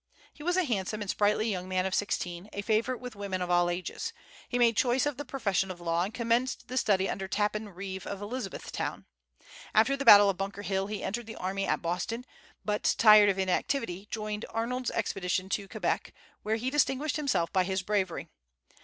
He was a handsome and sprightly young man of sixteen, a favorite with women of all ages. He made choice of the profession of law, and commenced the study under Tappan Reeve of Elizabethtown. After the battle of Bunker Hill he entered the army at Boston, but, tired of inactivity, joined Arnold's expedition to Quebec, where he distinguished himself by his bravery.